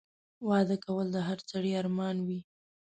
واده کول د هر سړي ارمان وي